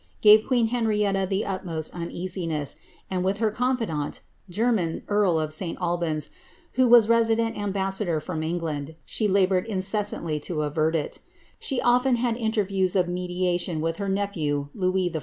e queen Henrietta the utmost uneasiness, and inth her con nyn, eari of St Albans, who was resident ambassador firom be laboured incessantly to avert it She often had intenriews m with her nephew, Louis XIV.